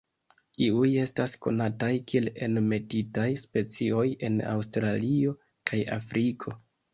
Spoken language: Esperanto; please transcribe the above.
Iuj estas konataj kiel enmetitaj specioj en Aŭstralio kaj Afriko.